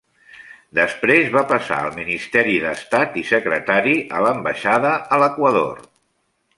Després va passar al Ministeri d'Estat i secretari a l'ambaixada a l'Equador.